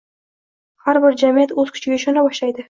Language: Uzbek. Har bir jamiyat o‘z kuchiga ishona boshlaydi